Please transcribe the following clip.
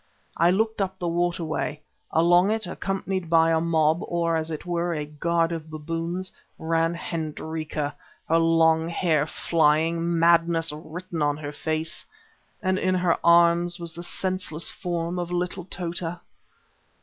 I looked up the water way; along it, accompanied by a mob, or, as it were, a guard of baboons, ran Hendrika, her long hair flying, madness written on her face, and in her arms was the senseless form of little Tota.